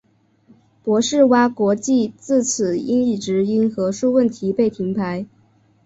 博士蛙国际自此一直因核数问题被停牌。